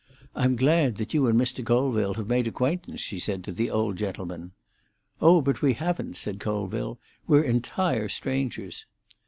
"I'm glad that you and Mr. Colville have made acquaintance," she said to the old gentleman. "Oh, but we haven't," said Colville. "We're entire strangers."